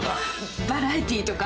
バラエティーとか。